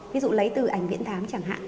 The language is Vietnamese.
ví dụ lấy từ ảnh viện thám chẳng hạn